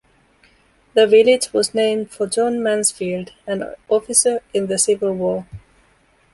The village was named for John Mansfield, an officer in the Civil War.